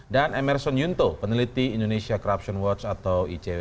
dan emerson yunto peneliti indonesia corruption watch atau icw